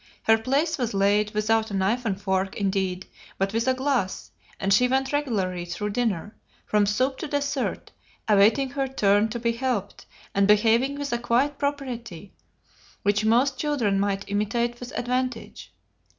Her place was laid, without a knife and fork, indeed, but with a glass, and she went regularly through dinner, from soup to dessert, awaiting her turn to be helped, and behaving with a quiet propriety which most children might imitate with advantage.